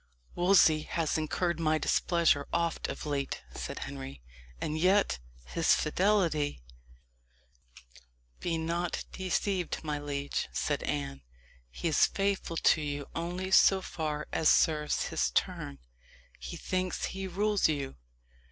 "Wolsey has incurred my displeasure oft of late," said Henry; "and yet his fidelity " "Be not deceived, my liege," said Anne; "he is faithful to you only so far as serves his turn. He thinks he rules you."